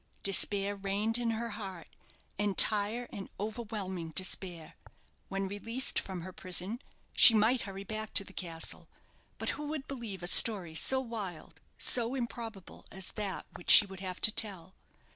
Despair reigned in her heart, entire and overwhelming despair. When released from her prison, she might hurry back to the castle. But who would believe a story so wild, so improbable, as that which she would have to tell?